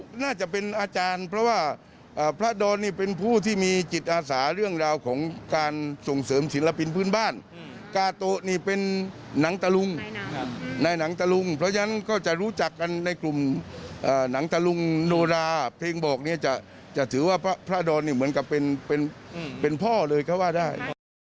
น่าจะเป็นอาจารย์เพราะว่าพระดอนนี่เป็นผู้ที่มีจิตอาสาเรื่องราวของการส่งเสริมศิลปินพื้นบ้านกาโตนี่เป็นหนังตะลุงในหนังตะลุงเพราะฉะนั้นก็จะรู้จักกันในกลุ่มหนังตะลุงโนราเพลงบอกเนี่ยจะถือว่าพระดอนนี่เหมือนกับเป็นพ่อเลยก็ว่าได้